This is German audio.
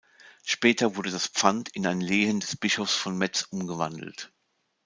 Später wurde das Pfand in ein Lehen des Bischofs von Metz umgewandelt.